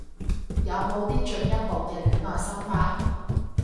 有冇啲進一步嘅戀愛心法